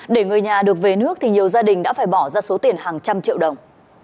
để người nhà được về nước thì nhiều gia đình đã phải bỏ ra số tiền hàng trăm triệu đồng